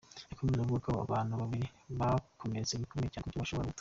Yakomeje avuga ko aba bantu babiri bakomeretse bikomeye cyane ku buryo bashobora no gupfa.